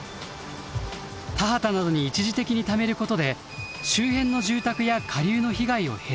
田畑などに一時的にためることで周辺の住宅や下流の被害を減らすのです。